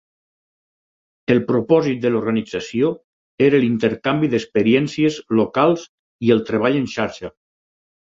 El propòsit de l'organització era l'intercanvi d'experiències locals i el treball en xarxa.